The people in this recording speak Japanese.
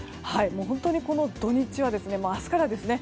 本当にこの土日は明日からですね